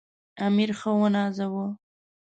امیر ښه ونازاوه.